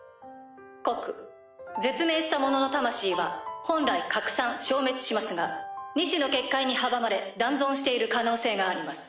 告絶命した者の魂は本来拡散消滅しますが２種の結界に阻まれ残存している可能性があります。